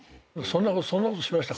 そんなことしましたか？